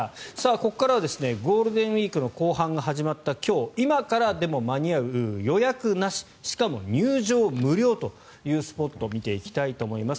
ここからはゴールデンウィークの後半が始まった今日今からでも間に合う予約なししかも入場無料というスポットを見ていきたいと思います。